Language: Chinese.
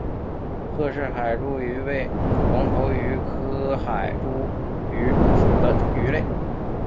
赫氏海猪鱼为隆头鱼科海猪鱼属的鱼类。